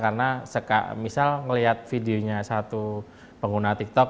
karena misal ngelihat videonya satu pengguna tiktok